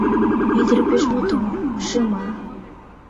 Ӱдыр пеш мотор, шыма